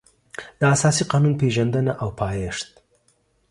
د اساسي قانون پېژندنه او پیدایښت